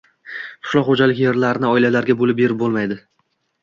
«qishloq xo‘jalik yerlarini oilalarga bo‘lib berib bo‘lmaydi